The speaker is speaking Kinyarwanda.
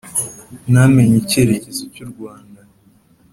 ntamenye icyerekezo cy’u rwanda.